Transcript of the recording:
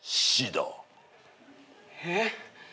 えっ？